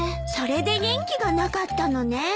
それで元気がなかったのね。